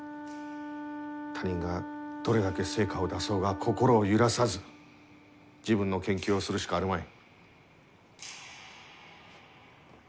他人がどれだけ成果を出そうが心を揺らさず自分の研究をするしかあるまい。